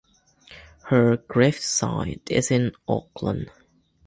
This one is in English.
Her gravesite is in Oakland.